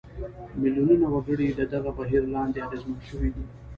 میلیونونه وګړي د دغه بهیر لاندې اغېزمن شوي دي.